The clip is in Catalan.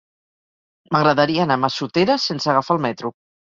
M'agradaria anar a Massoteres sense agafar el metro.